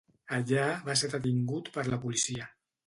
Allà va ser detingut per la policia.